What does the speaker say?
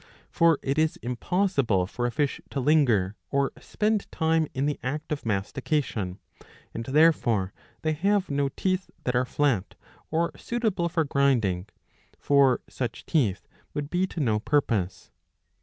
For it is impossible for a fish to linger or spend time in the act of mastication, ^' and therefore they have no teeth that are flat or suitable for grinding; for such teeth would be to no purpose.